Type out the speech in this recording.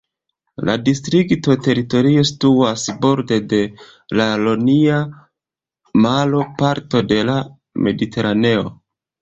La distrikta teritorio situas borde de la Ionia Maro, parto de la Mediteraneo.